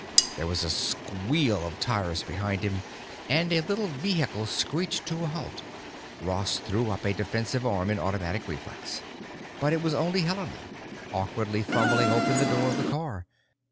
There was a squeal of tires behind him, and a little vehicle screeched to a halt. Ross threw up a defensive arm in automatic reflex. But it was only Helena, awkwardly fumbling open the door of the car.